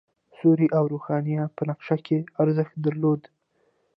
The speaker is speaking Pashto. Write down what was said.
سیوری او روښنايي په نقاشۍ کې ارزښت درلود.